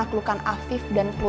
aku akan dianggap sebagai anakku